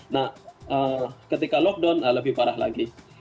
nah ketika lockdown lebih parah lagi